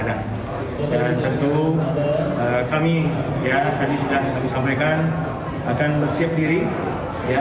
dan tentu kami ya tadi sudah aku sampaikan akan bersiap diri ya